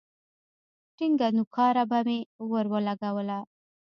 ټينگه نوکاره به مې ورولگوله.